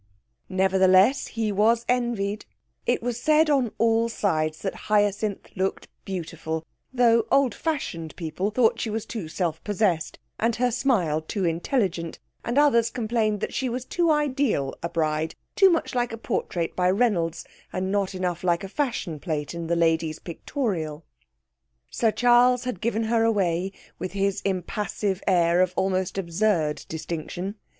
Nevertheless, he was envied. It was said on all sides that Hyacinth looked beautiful, though old fashioned people thought she was too self possessed, and her smile too intelligent, and others complained that she was too ideal a bride too much like a portrait by Reynolds and not enough like a fashion plate in the Lady's Pictorial. Sir Charles had given her away with his impassive air of almost absurd distinction.